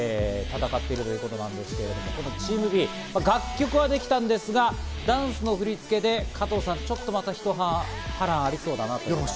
戦っているということなんですけれども、チームＢ、楽曲はできたんですが、ダンスの振り付けで、加藤さん、またちょっとひと波乱ありそうだなと。